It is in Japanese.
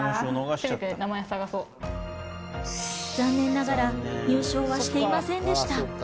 残念ながら入賞はしていませんでした。